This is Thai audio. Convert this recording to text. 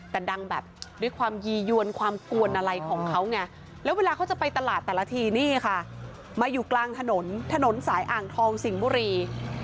แต่ดังแบบด้วยความยียวนความกวนอะไรของเขาไงแล้วเวลาเขาจะไปตลาดแต่ละทีนี่ค่ะมาอยู่กลางถนนถนนสายอ่างทองสิงห์บุรี